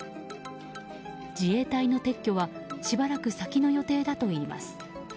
自衛隊の撤去はしばらく先の予定だといいます。